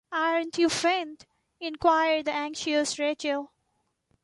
‘Are you faint?’ inquired the anxious Rachael.